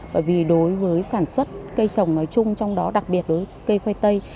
bởi vì đối với sản xuất cây trồng nói chung trong đó đặc biệt đối với cây khoai tây